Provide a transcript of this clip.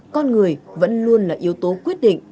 con người vẫn luôn là yếu tố quyết định